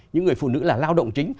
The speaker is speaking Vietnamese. những người phụ nữ là lao động chính